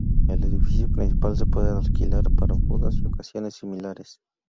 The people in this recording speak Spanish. El edificio principal se puede alquilar para bodas y ocasiones similares.